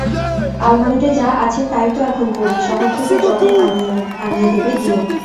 আলমারিতে যা আছে তাই তো এখন পড়ি, শহর থেকে যখন আনিয়ে দেবে দিও!